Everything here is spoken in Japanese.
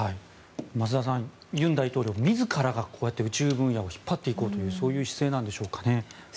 増田さん尹大統領自らがこうやって宇宙分野を引っ張っていこうという姿勢なんですかね。